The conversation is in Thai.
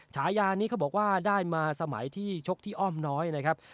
ฉายานี้เขาบอกว่าได้มาสมัยที่ชกที่อ้อมน้อยนะครับ